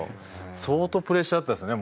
相当プレッシャーだったんですよね